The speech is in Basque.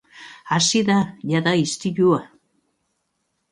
Hasi da, jada, istilua.